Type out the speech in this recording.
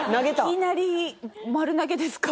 いきなり丸投げですか？